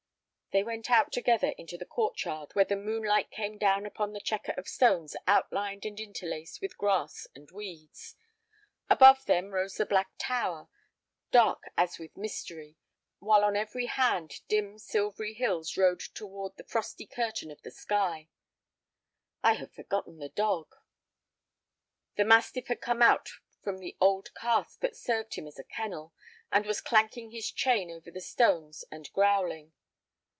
They went out together into the court yard, where the moonlight came down upon the checker of stones outlined and interlaced with grass and weeds. Above them rose the black tower, dark as with mystery, while on every hand dim, silvery hills rose toward the frosty curtain of the sky. "I had forgotten the dog." The mastiff had come out from the old cask that served him as a kennel, and was clanking his chain over the stones and growling.